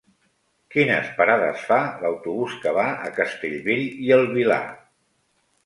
Quines parades fa l'autobús que va a Castellbell i el Vilar?